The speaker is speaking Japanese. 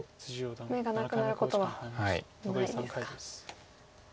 眼がなくなることはないですか。